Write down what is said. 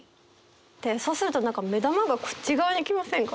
でそうすると目玉がこっち側に来ませんか？